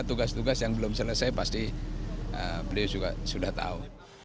tugas tugas yang belum selesai pasti beliau juga sudah tahu